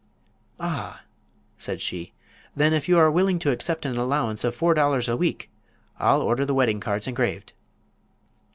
"Ah!" said she; "then if you are willing to accept an allowance of four dollars a week I'll order the wedding cards engraved."